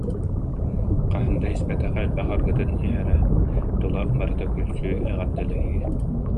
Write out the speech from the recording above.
Хаһан да испэтэх элбэх арыгытын иһэрэ, тула барыта күлсүү, эҕэрдэлэһии